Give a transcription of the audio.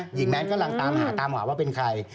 หญิงแมนกำลังตามหาว่าเป็นใคร